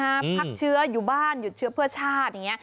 พักเชื้ออยู่บ้านหยุดเชื้อเพื่อชาติอย่างนี้